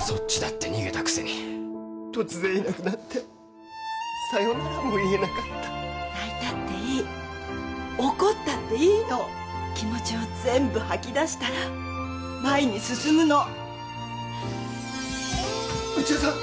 そっちだって逃げたくせに突然いなくなってさよならも言えなかった泣いたっていい怒ったっていいの気持ちを全部吐き出したら前に進むの内田さん